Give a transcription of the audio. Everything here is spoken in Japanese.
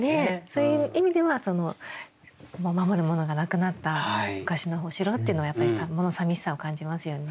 そういう意味では守るものがなくなった昔のお城っていうのはやっぱり物寂しさを感じますよね。